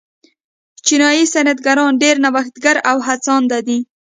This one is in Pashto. چینايي صنعتکاران ډېر نوښتګر او هڅاند دي.